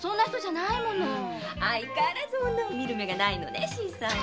相変わらず女を見る目がないのね。